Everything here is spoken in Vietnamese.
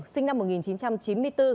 sinh năm một nghìn chín trăm chín mươi bốn